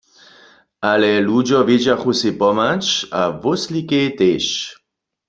Ale ludźo wědźachu sej pomhać – a wóslikej tež.